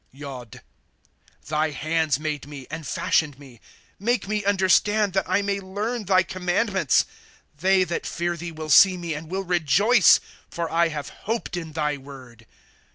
Yod. " Thy hands made me, and fashioned me ; Make me understand, that I may learn thy commandments. T* They that fear thee will see me and. will rejoice ; For I have hoped in thy word. v. 70, 1st member.